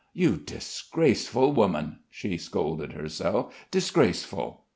"You disgraceful woman," she scolded herself; "disgraceful!"